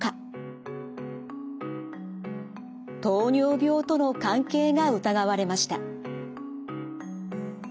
糖尿病との関係が疑われました。